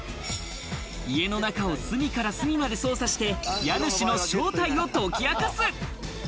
家の中を隅から隅まで捜査して家主の正体を解き明かす。